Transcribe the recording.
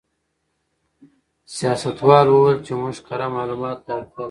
سیاستوال وویل چې موږ کره معلوماتو ته اړتیا لرو.